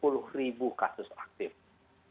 jauh lebih tinggi daripada kondisi kasus aktif di indonesia